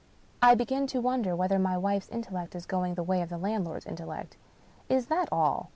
I begin to wonder whether my wife's intellect is going the way of the landlord's intellect. " Is that all?